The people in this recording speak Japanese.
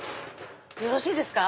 よろしいですか？